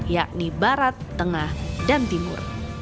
yakni barat tengah dan timur